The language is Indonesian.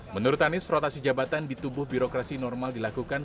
menurut anies rotasi jabatan di tubuh birokrasi normal dilakukan